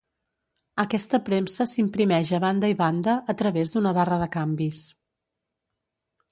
Aquesta premsa s'imprimeix a banda i banda, a través d'una barra de canvis.